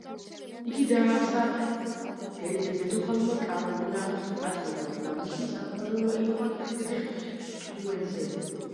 იგი დააარსა დედოფალმა კაროლინა მატილდამ და მისმა საყვარელმა, იოჰან ფრიდრიხ სტრუენზემ.